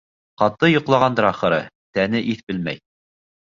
Ҡаты йоҡлағандыр, ахыры, тәне иҫ белмәй.